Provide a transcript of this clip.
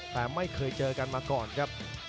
แต่ไม่เคยเจอกันมาก่อนครับ